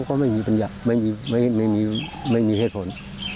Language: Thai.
อ๋อเค้าพูดอย่างนี้เลยเหรอ